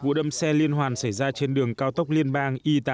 vụ đâm xe liên hoàn xảy ra trên đường cao tốc liên bang i tám